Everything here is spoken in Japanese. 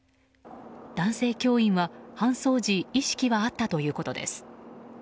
男性教員は、搬送時意識はあったということです。